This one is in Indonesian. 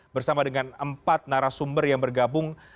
bersama dengan empat narasumber yang bergabung